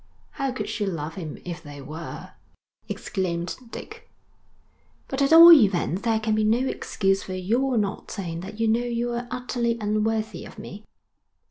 'How could she love him if they were!' exclaimed Dick. 'But at all events there can be no excuse for your not saying that you know you are utterly unworthy of me.'